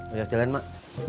ojak jalan mak